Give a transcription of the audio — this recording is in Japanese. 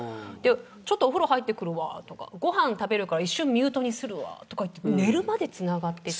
ちょっとお風呂入ってくるわとかご飯食べるから一瞬ミュートにするわとか寝るまでつながっていて。